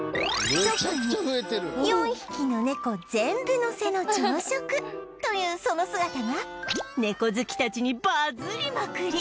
特に４匹のネコ全部乗せの朝食というその姿はネコ好きたちにバズりまくり